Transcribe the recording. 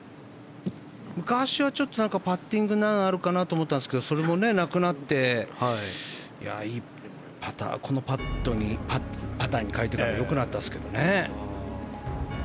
昔はパッティングに難があるかなと思ったんですがそれもなくなってパターに変えてから良くなったんですけどね。